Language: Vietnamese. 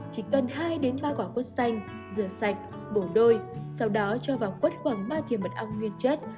chỉ cần hai ba quả quất xanh rửa sạch bổ đôi sau đó cho vào quất khoảng ba thiềm mật ong nguyên chất